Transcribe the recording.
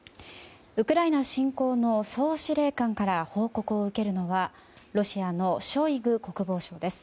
ウクライナ侵攻の総司令官から報告を受けるのはロシアのショイグ国防相です。